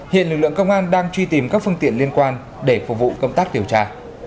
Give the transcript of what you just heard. hiện lực lượng công an đang truy tìm các phương tiện liên quan để phục vụ công tác điều tra